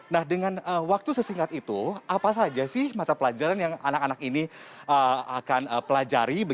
nah dengan waktu sesingkat itu apa saja sih mata pelajaran yang anak anak ini akan pelajari